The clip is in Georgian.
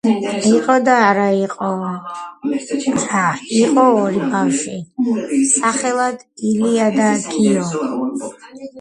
იყო და არა იყო რა იყო ორი ბავშვი სახელად ილია და გიო